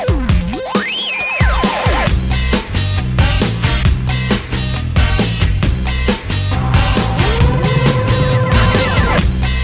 รายการข้อมูล